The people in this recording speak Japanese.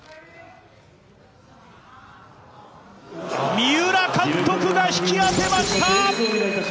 三浦監督が引き当てました！